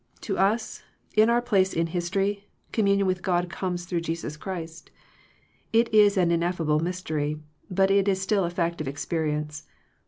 To us, in our place in history, com munion with God comes through Jesus Christ. It is an ineffable mystery, but it is still a fact of experience.